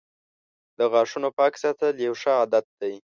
• د غاښونو پاک ساتل یوه ښه عادت دی.